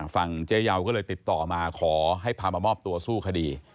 เจ๊ยาวก็เลยติดต่อมาขอให้พามามอบตัวสู้คดี